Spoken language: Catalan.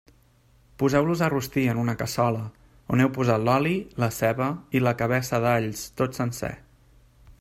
Poseu-los a rostir en una cassola, on heu posat l'oli, la ceba i la cabeça d'alls, tot sencer.